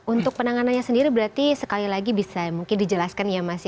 untuk penanganannya sendiri berarti sekali lagi bisa mungkin dijelaskan ya mas ya